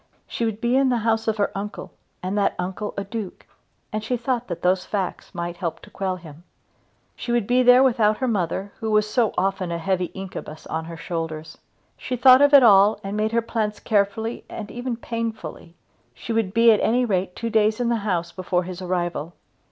She would be in the house of her uncle and that uncle a duke, and she thought that those facts might help to quell him. And she would be there without her mother, who was so often a heavy incubus on her shoulders. She thought of it all, and made her plans carefully and even painfully. She would be at any rate two days in the house before his arrival.